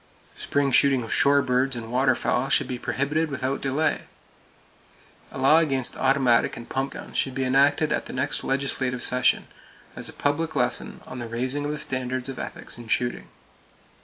Spring shooting of shore birds and waterfowl should be prohibited without delay. A law against automatic and pump guns should be enacted at the next legislative session, as a public lesson on the raising of the standard of ethics in shooting.